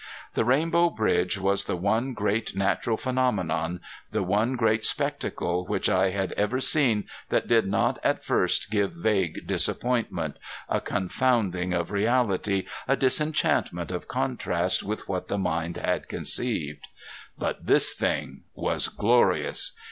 This rainbow bridge was the one great natural phenomenon, the one grand spectacle which I had ever seen that did not at first give vague disappointment, a confounding of reality, a disenchantment of contrast with what the mind had conceived. But this thing was glorious.